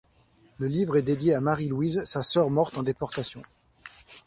Le livre est dédié à Marie Louise, sa sœur morte en déportation.